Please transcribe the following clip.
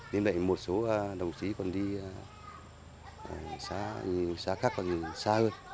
nên lại một số đồng chí còn đi xa khác còn xa hơn